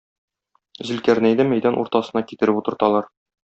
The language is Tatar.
Зөлкарнәйне мәйдан уртасына китереп утырталар.